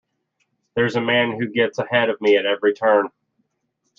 There's a man who gets ahead of me at every turn.